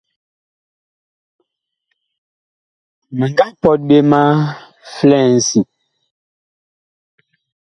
Mi nga pɔt ɓe ma flɛŋsi.